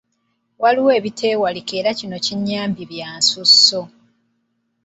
Waliwo ebiteewalika era kino kinnyambye byansusso.